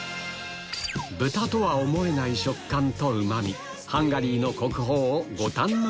豚とは思えない食感とうまみハンガリーの国宝をご堪能